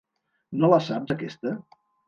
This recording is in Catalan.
No la saps, aquesta?